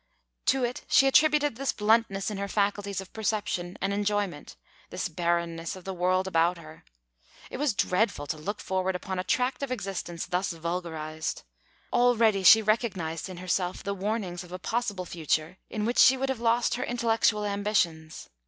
To it she attributed this bluntness in her faculties of perception and enjoyment, this barrenness of the world about her. It was dreadful to look forward upon a tract of existence thus vulgarized. Already she recognized in herself the warnings of a possible future in which she would have lost her intellectual ambitions.